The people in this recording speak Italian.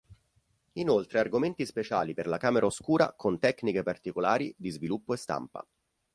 Inoltre argomenti speciali per la camera oscura con tecniche particolari di sviluppo e stampa.